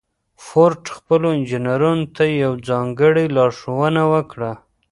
فورډ خپلو انجنيرانو ته يوه ځانګړې لارښوونه وکړه.